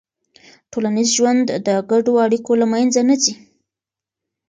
ټولنیز ژوند د ګډو اړیکو له منځه نه ځي.